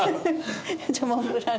じゃあモンブラン。